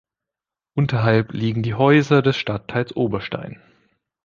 Unterhalb liegen die Häuser des Stadtteils Oberstein.